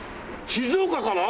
静岡から？